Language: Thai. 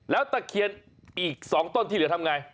แล้วตะเคียนอีก๒ต้นที่เหลือทำไง